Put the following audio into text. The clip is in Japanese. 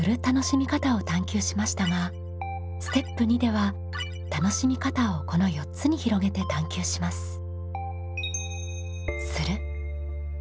楽しみ方を探究しましたがステップ２では楽しみ方をこの４つに広げて探究します。